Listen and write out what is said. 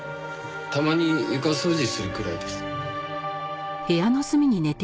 たまに床掃除するくらいです。